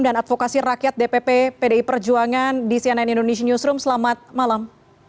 dan advokasi rakyat dpp pdi perjuangan di cnn indonesia newsroom selamat malam